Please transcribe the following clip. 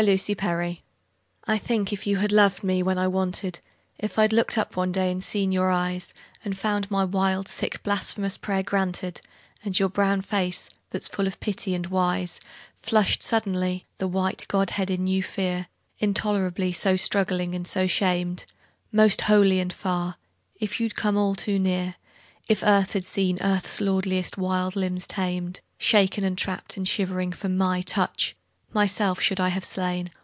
Success I think if you had loved me when I wanted; If I'd looked up one day, and seen your eyes, And found my wild sick blasphemous prayer granted, And your brown face, that's full of pity and wise, Flushed suddenly; the white godhead in new fear Intolerably so struggling, and so shamed; Most holy and far, if you'd come all too near, If earth had seen Earth's lordliest wild limbs tamed, Shaken, and trapped, and shivering, for MY touch Myself should I have slain?